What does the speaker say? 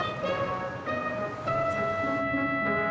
terima kasih mas